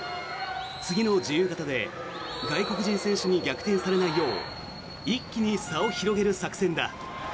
次の自由形で外国人選手に逆転されないよう一気に差を広げる作戦だ。